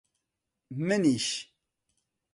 منیش.